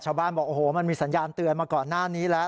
บอกโอ้โหมันมีสัญญาณเตือนมาก่อนหน้านี้แล้ว